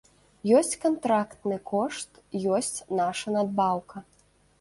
Ёсць кантрактны кошт, ёсць наша надбаўка.